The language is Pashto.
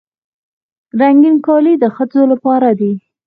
رنګین کالي د ښځو لپاره دي.